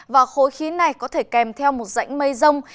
và khối khí này có thể kèm theo một rãnh mây rông